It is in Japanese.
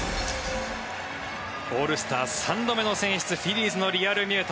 オールスター３度目の選出フィリーズのリアルミュート。